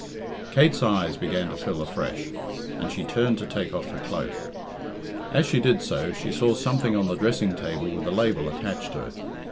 Kate's eyes began to fill afresh, and she turned to take off her cloak. As she did so, she saw something on the dressing table with a label attached to it.